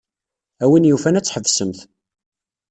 A win yufan ad tḥebsemt.